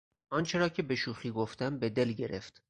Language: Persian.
آنچه را که به شوخی گفتم به دل گرفت.